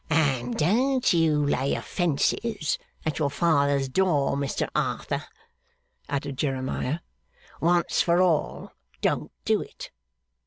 'And don't you lay offences at your father's door, Mr Arthur,' added Jeremiah, 'once for all, don't do it!